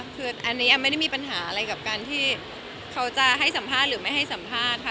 คืออันนี้แอมไม่ได้มีปัญหาอะไรกับการที่เขาจะให้สัมภาษณ์หรือไม่ให้สัมภาษณ์ค่ะ